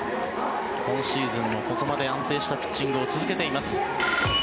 今シーズンもここまで安定したピッチングを続けています。